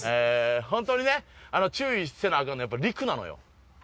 本当にね注意せなアカンのはやっぱ陸なのよ。